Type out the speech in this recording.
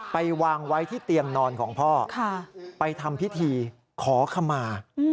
ไปวางไว้ที่เตียงนอนของพ่อไปทำพิธีขอขมา